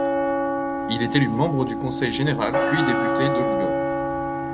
Il est élu membre du conseil général puis député de l'Yonne.